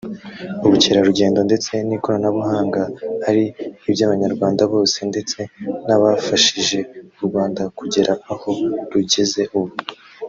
Ubukerarugendo ndetse n’ikoranabuhanga ari iby’Abanyarwanda bose ndetse n’abafashije u Rwanda kugera aho rugeze ubu